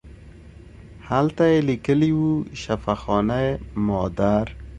هلته یې لیکلي وو شفاخانه مادر.